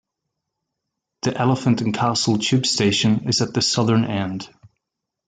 The Elephant and Castle tube station is at the southern end.